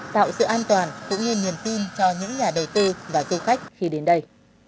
tạo sự an toàn cũng như niềm tin cho những nhà đầu tư và du khách khi đến đây